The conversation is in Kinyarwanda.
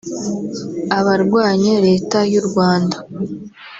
abarwanya Leta y’u Rwanda